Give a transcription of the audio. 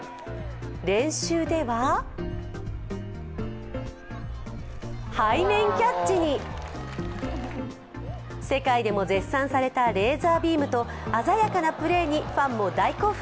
練習では、背面キャッチに世界でも絶賛されたレーザービームと鮮やかなプレーにファンも大興奮。